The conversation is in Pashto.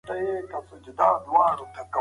باید د بدو ورځو لپاره چمتووالی ولرو.